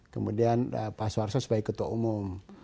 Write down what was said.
kemudian pak soeharto sebagai ketua umum